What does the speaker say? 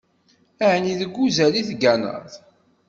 Ɛni deg uzal i tegganeḍ?